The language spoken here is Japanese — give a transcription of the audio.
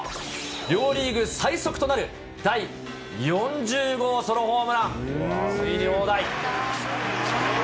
両リーグ最速となる、第４０号ソロホームラン。